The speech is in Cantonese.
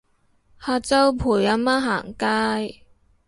下晝陪阿媽行街